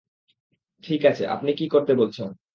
ঠিক আছে, আপনি কী করতে বলছেন?